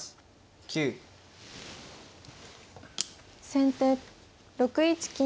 先手６一金。